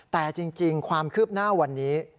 แต่จริงความคืบหน้าวันนี้